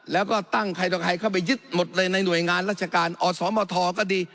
แล้วก็ตั้งใครต่อใครเข้าไปยึดหมดเลยในหน่วยงานราชการอสมทก็ดี